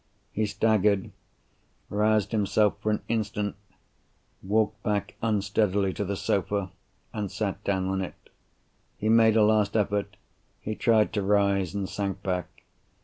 He staggered—roused himself for an instant—walked back unsteadily to the sofa—and sat down on it. He made a last effort; he tried to rise, and sank back.